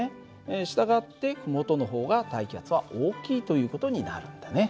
従って麓の方が大気圧は大きいという事になるんだね。